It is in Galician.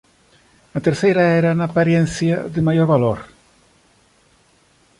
A terceira era, na aparencia, de maior valor.